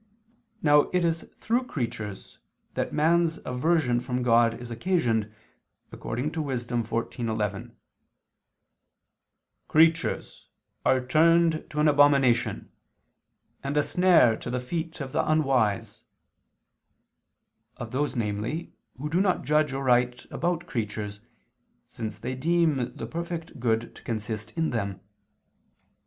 Now it is through creatures that man's aversion from God is occasioned, according to Wis. 14:11: "Creatures ... are turned to an abomination ... and a snare to the feet of the unwise," of those, namely, who do not judge aright about creatures, since they deem the perfect good to consist in them.